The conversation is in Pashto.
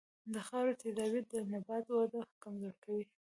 د خاورې تیزابیت د نبات وده کمزورې کوي.